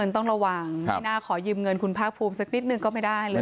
ต้องระวังไม่น่าขอยืมเงินคุณภาคภูมิสักนิดนึงก็ไม่ได้เลย